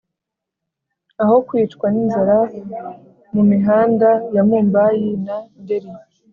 aho kwicwa n’ inzara mu mihanda ya mumbai na delhi.